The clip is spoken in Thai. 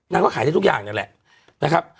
ก็ขายได้ทุกอย่างนั่นแหละนะครับ